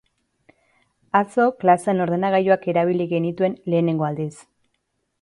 Atzo klasean ordenagailuak erabili genituen lehenengo aldiz.